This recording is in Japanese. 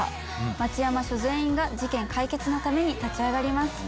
町山署全員が事件解決のために立ち上がります。